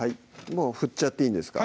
もう振っちゃっていいんですか？